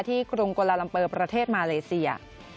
กรุงโกลาลัมเปอร์ประเทศมาเลเซีย